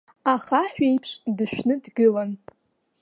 Ахаҳә еиԥш дышәны дгылан.